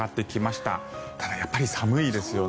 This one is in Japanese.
ただ、やっぱり寒いですよね。